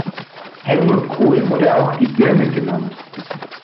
Helmut Kohl wurde auch "die Birne" genannt.